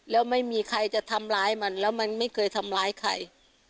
แล้วไม่มีใครจะทำร้ายมันแล้วมันไม่เคยทำร้ายใคร